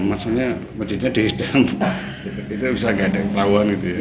maksudnya masjidnya dihidang pak itu bisa tidak ada yang tahu gitu ya